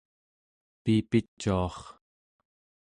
piipicuar